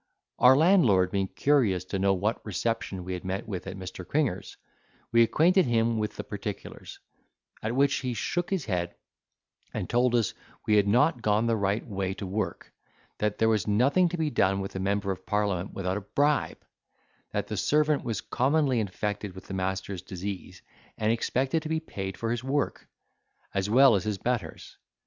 Our landlord being curious to know what reception we had met with at Mr. Cringer's, we acquainted him with the particulars, at which he shook his head, and told us we had not gone the right way to work; that there was nothing to be done with a member of parliament without a bribe; that the servant was commonly infected with the master's disease, and expected to be paid for his work, as well as his betters.